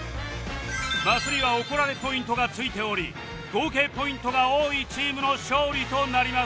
マスには怒られポイントがついており合計ポイントが多いチームの勝利となります